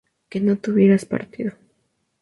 que tu no hubieras partido